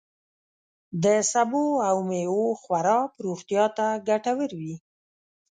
د سبوو او میوو خوراک روغتیا ته ګتور وي.